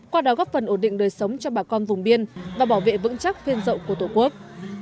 qua đó góp phần ổn định đời sống cho bà con vùng biên và bảo vệ vững chắc phiên dậu của tổ quốc